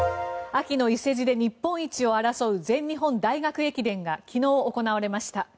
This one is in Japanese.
秋の伊勢路で日本一を争う全日本大学駅伝が昨日、行われました。